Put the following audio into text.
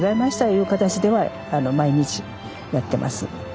いう形では毎日やってます。